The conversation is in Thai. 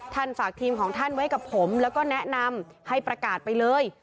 ท่านฝากทีมท่านวัวไว้กับผมและแนะนำให้ประกาศไปเลย